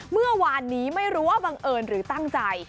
เมื่อวานนี้ไม่รู้ว่าบังเอิญหรือตั้งใจ